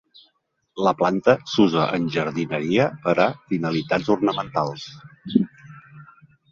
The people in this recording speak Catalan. La planta s'usa en jardineria per a finalitats ornamentals.